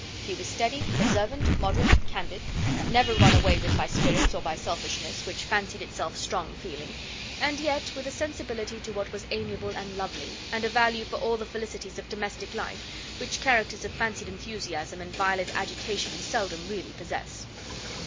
He was steady, observant, moderate, candid; never run away with by spirits or by selfishness, which fancied itself strong feeling; and yet, with a sensibility to what was amiable and lovely, and a value for all the felicities of domestic life, which characters of fancied enthusiasm and violent agitation seldom really possess.